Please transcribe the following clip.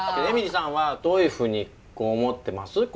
えみりさんはどういうふうに思ってます？